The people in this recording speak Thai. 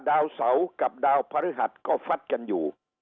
ดาวเสากับดาวพฤหัสก็ฟัดกันอยู่